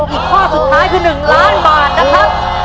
อีกข้อสุดท้ายคือ๑ล้านบาทนะครับ